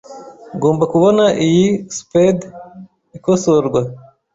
Ngomba kubona iyi spade ikosorwa.